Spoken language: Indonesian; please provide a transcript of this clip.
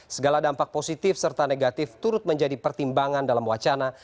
segala dampak positif serta negatif turut menjadi pertimbangan dalam wacana